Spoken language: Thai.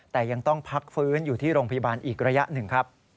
แต่ยังต้องพักฟื้นอยู่ที่โรงพยาบาลอีกระยะหนึ่งครับ